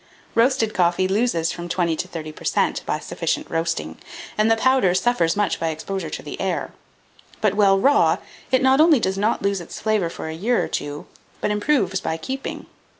Roasted coffee loses from 20 to 30 per cent, by sufficient roasting, and the powder suffers much by exposure to the air; but, while raw, it not only does not lose its flavour for a year or two, but improves by keeping.